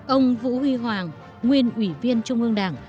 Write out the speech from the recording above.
ông vũ huy hoàng nguyên ủy viên trung ương đảng